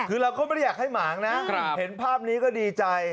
คือเราก็ไม่ได้อยากให้หมางนะเห็นภาพนี้ก็ดีใจ